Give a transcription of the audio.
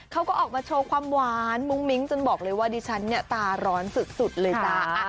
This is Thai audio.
เขาก็ออกมาโชว์ความหวานมุ้งมิ้งจนบอกเลยว่าดิฉันเนี่ยตาร้อนสุดเลยจ้า